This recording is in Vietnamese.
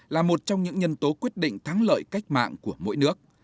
là một trong những nhân tố quyết định thắng lợi cách mạng của mỗi nước